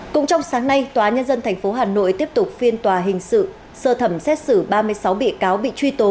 cũng trong sáng nay tòa nhân dân tp hà nội tiếp tục phiên tòa hình sự sơ thẩm xét xử ba mươi sáu bị cáo bị truy tố